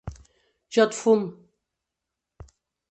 Jo et fum!